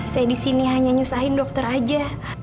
saya disini hanya nyusahin dokter aja